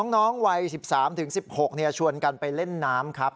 น้องวัย๑๓๑๖ชวนกันไปเล่นน้ำครับ